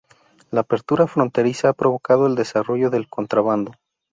La apertura fronteriza ha provocado el desarrollo del contrabando.